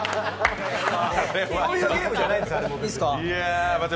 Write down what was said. そういうゲームじゃないんです、あれは。